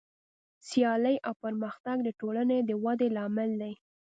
سیالي او پرمختګ د ټولنې د ودې لامل دی.